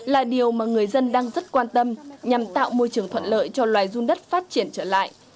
là điều mà người dân đang rất quan tâm nhằm tạo môi trường thuận lợi cho loài run đất phát triển trở lại